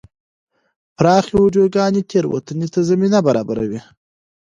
پراخه ویډیوګانې تېروتنې ته زمینه برابروي.